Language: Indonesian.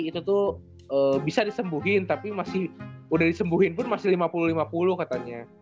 itu tuh bisa disembuhin tapi masih udah disembuhin pun masih lima puluh lima puluh katanya